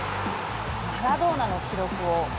マラドーナの記録を。